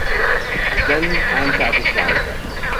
Then I am satisfied.